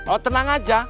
oh tenang aja